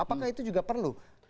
apakah itu juga perlu